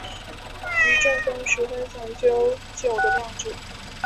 菊正宗十分讲究酒的酿制。